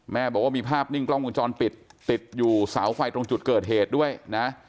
บอกว่ามีภาพนิ่งกล้องวงจรปิดติดอยู่เสาไฟตรงจุดเกิดเหตุด้วยนะ